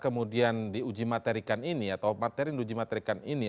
atau materi yang diuji materikan ini atau materi yang diuji materikan ini